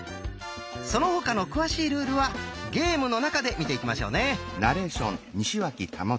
その他の詳しいルールはゲームの中で見ていきましょうね！